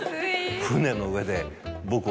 船の上で「僕を」。